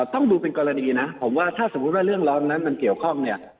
ต้องดูเป็นกรณีนะผมว่าถ้าสมมุติว่าเรื่องร้อนนั้นมันเกี่ยวข้องเนี่ย